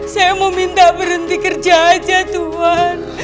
saya mau minta berhenti kerja aja tuhan